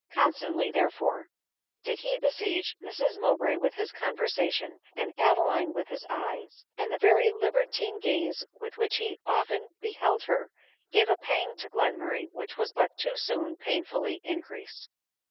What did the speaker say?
Constantly, therefore, did he besiege Mrs Mowbray with his conversation, and Adeline with his eyes ; and the very libertine gaze with which he often beheld her, gave a pang to Glenmurray which was but too soon painfully increased.